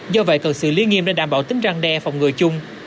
do vậy cần sự liên nghiêm để đảm bảo tính răng đe phòng người chung